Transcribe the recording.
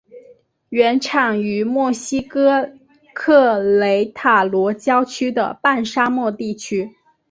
原产于墨西哥克雷塔罗郊区的半沙漠地区。